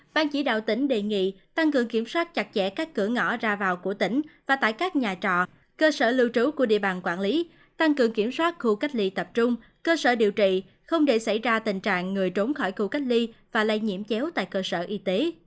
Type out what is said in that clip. ban chỉ đạo tỉnh đề nghị tăng cường kiểm soát chặt chẽ các cửa ngõ ra vào của tỉnh và tại các nhà trọ cơ sở lưu trú của địa bàn quản lý tăng cường kiểm soát khu cách ly tập trung cơ sở điều trị không để xảy ra tình trạng người trốn khỏi khu cách ly và lây nhiễm chéo tại cơ sở y tế